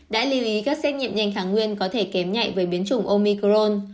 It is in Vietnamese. đã lưu ý các xét nghiệm nhanh kháng nguyên có thể kém nhạy với biến chủng omicron